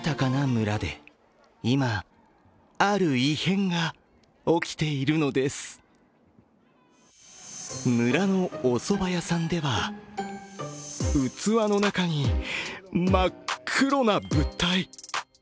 村のおそば屋さんでは器の中に真っ黒な物体。